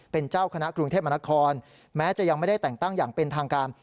เป็นเจ้าคณะกรุงเทพมนาคมแม้จะยังไม่ได้แต่งตั้งอย่างเป็นทางการ